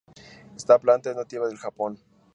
Esta planta es nativa del Japón.